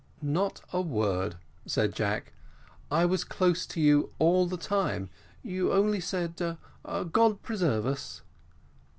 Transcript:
"Not a word," said Jack "I was close to you all the time you only said, `God preserve us!'"